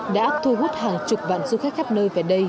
đã thu hút hàng chục vạn du khách khắp nơi về đây